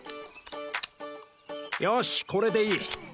よしこれでいい。